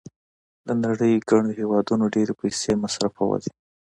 د نړۍ ګڼو هېوادونو ډېرې پیسې مصرفولې.